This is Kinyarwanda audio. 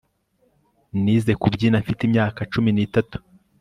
Nize kubyina mfite imyaka cumi nitatu